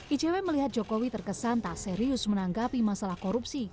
icw melihat jokowi terkesan tak serius menanggapi masalah korupsi